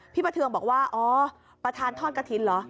ประเทืองบอกว่าอ๋อประธานทอดกระถิ่นเหรอ